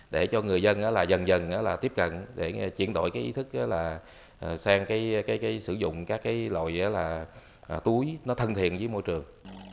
để chuyển đổi ý thức sang sử dụng các loại túi thân thiện với môi trường